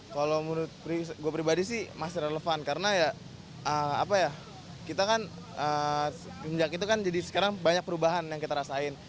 kalau menurut gue pribadi sih masih relevan karena ya apa ya kita kan sejak itu kan jadi sekarang banyak perubahan yang kita rasain